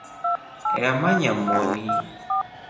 Eemanya moni.